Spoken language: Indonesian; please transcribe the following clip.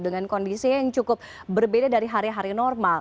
dengan kondisi yang cukup berbeda dari hari hari normal